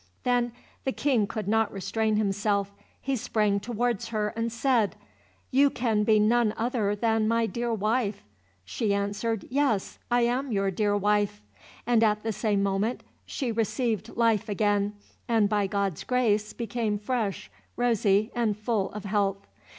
Then the King could not restrain himself; he sprang towards her, and said, "You can be none other than my dear wife." She answered, "Yes, I am your dear wife," and at the same moment she received life again, and by God's grace became fresh, rosy, and full of health.